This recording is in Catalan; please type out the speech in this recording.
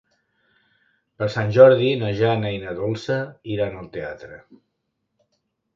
Per Sant Jordi na Jana i na Dolça iran al teatre.